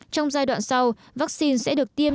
trong giai đoạn sau vaccine sẽ được tiêm